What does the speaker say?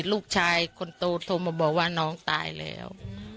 ลูกชายคนโตโทรมาบอกว่าน้องตายแล้ว